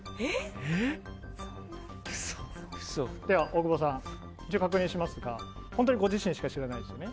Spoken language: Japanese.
では、大久保さん一応確認しますが本当にご自身しか知らないですよね。